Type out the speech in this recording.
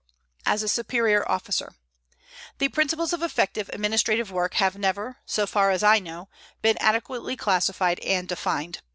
AS A SUPERIOR OFFICER The principles of effective administrative work have never, so far as I know, been adequately classified and defined.